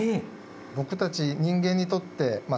僕たち人間にとってまあ